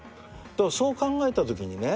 そう考えたときにね